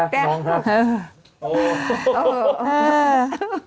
ไอ้แต้วรอ